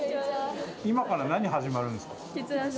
今から何始まるんですか？